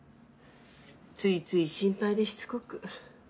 ついつい心配でしつこく。